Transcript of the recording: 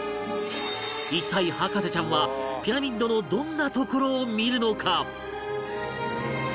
一体博士ちゃんはピラミッドのどんな所を見るのか？